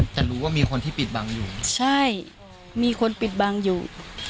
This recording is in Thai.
แต่รู้ว่ามีคนที่ปิดบังอยู่ใช่มีคนปิดบังอยู่